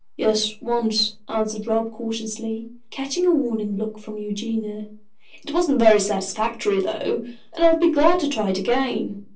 "Yes, once," answered Rob, cautiously, catching a warning look from Eugenia. "It wasn't very satisfactory, though, and I'll be glad to try it again."